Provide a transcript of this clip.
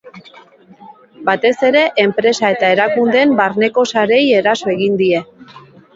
Batez ere enpresa eta erakundeen barneko sareei eraso egin die.